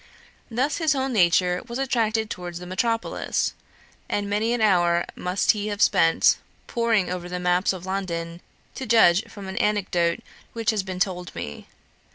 Thus his whole nature was attracted towards the metropolis; and many an hour must he have spent poring over the map of London, to judge from an anecdote which has been told me.